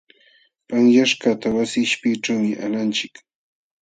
Panyaśhkaqta wasi qishpiyćhuumi qalanchik.